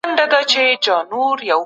د طبیعي زیرمو مدیریت باید شفاف وي.